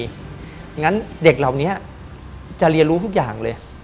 งั้นเด็กเหล่านี้จะเรียนรู้ทุกอย่างเลย